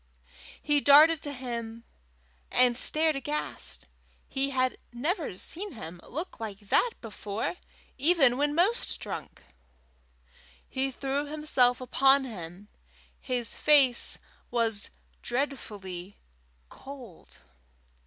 He darted to him, and stared aghast: he had never seen him look like that before, even when most drunk! He threw himself upon him: his face was dreadfully cold.